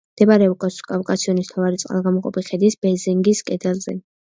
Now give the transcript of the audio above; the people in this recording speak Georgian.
მდებარეობს კავკასიონის მთავარი წყალგამყოფი ქედის ბეზენგის კედელზე.